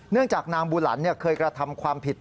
จากนางบูหลันเคยกระทำความผิด